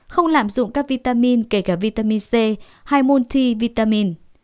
không lạm dụng các vitamin kể cả vitamin c hay multivitamin